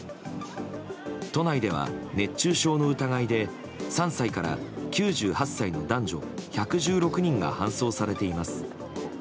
都内では熱中症の疑いで３歳から９８歳の男女１１６人が搬送されています。